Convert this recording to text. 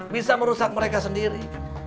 bisa merusak mereka sendiri